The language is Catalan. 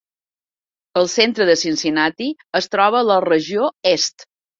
El centre de Cincinnati es troba a la regió est.